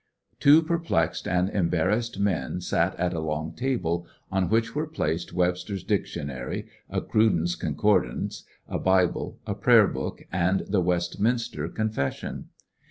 Two perplexed and embarrassed men sat at a long table on which were placed Webster's Dictionary, a Cruden's Concordance, a Bible, a Prayer book, and the Westminster Con fession.